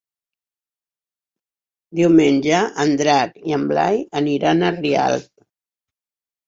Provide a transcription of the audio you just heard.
Diumenge en Drac i en Blai aniran a Rialp.